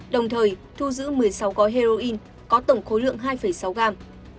đồng thời thu giữ một mươi sáu gói heroin có tổng khối lượng hai sáu gram